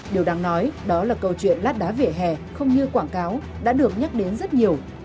điều đáng nói đó là câu chuyện lát đá vỉa hè không như quảng cáo đã được nhắc đến rất nhiều